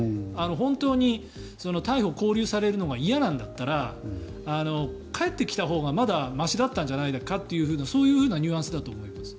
本当に逮捕・勾留されるのが嫌なんだったら帰ってきたほうがまだましだったんじゃないかってそういうふうなニュアンスだと思います。